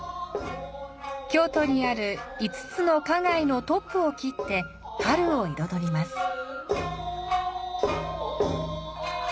京都にある５つの花街のトップを切って春を彩ります。